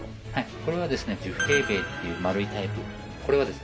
これはですね１０っていう丸いタイプこれはですね